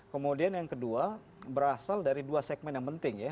kemudian yang kedua berasal dari dua segmen yang penting ya